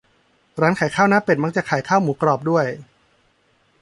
ร้านขายข้าวหน้าเป็ด มักจะขายหมูกรอบด้วย